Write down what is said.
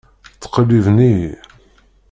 Ttqelliben-iyi.